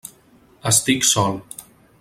Estic sol.